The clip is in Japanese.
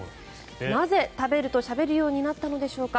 なぜ「食べる」としゃべるようになったのでしょうか。